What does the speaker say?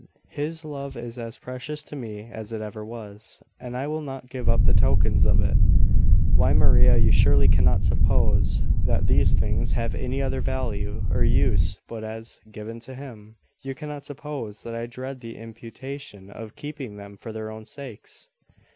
His love is as precious to me as it ever was, and I will not give up the tokens of it. Why, Maria, you surely cannot suppose that these things have any other value or use but as given by him! You cannot suppose that I dread the imputation of keeping them for their own sakes!"